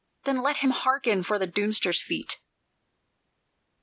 Then let him hearken for the doomster's feet!